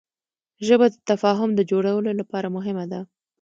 ژبه د تفاهم د جوړولو لپاره مهمه ده